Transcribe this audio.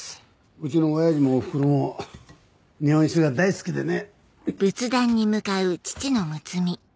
うちの親父もおふくろも日本酒が大好きでね。